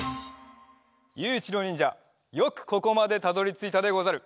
ゆういちろうにんじゃよくここまでたどりついたでござる。